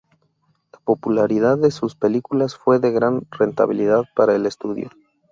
La popularidad de sus películas fue de gran rentabilidad para el estudio.